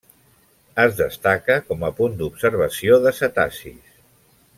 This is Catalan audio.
Es destaca com a punt d'observació de cetacis.